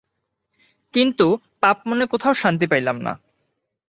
কিন্তু পাপমনে কোথাও শান্তি পাইলাম না।